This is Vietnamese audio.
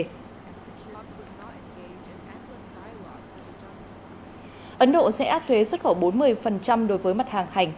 ấn độ sẽ áp thuế xuất khẩu bốn mươi đối với mặt hàng hành